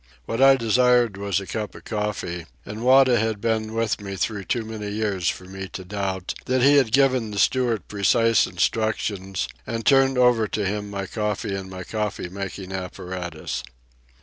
What I desired was a cup of coffee, and Wada had been with me through too many years for me to doubt that he had given the steward precise instructions and turned over to him my coffee and my coffee making apparatus.